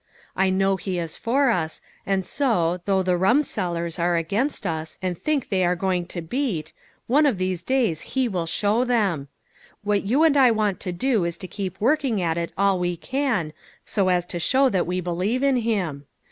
' I know he is for us, and so, though the rumsellers are against us, and think they are going to beat, one of these days he will show them ! What you and I want to do is to keep working at it all we can, so as to show that we believe in him." 84 LITTLE FISHERS : AND THEIR NETS.